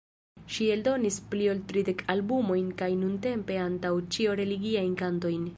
Ŝi eldonis pli ol tridek albumojn kaj nuntempe antaŭ ĉio religiajn kantojn.